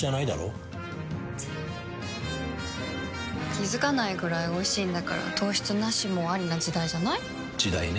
気付かないくらいおいしいんだから糖質ナシもアリな時代じゃない？時代ね。